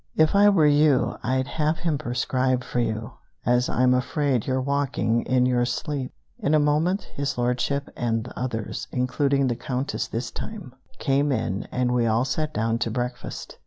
If I were you, I'd have him prescribe for you, as I'm afraid you're walking in your sleep!" In a moment His Lordship and the others, including the Countess this time, came in, and we all sat down to breakfast.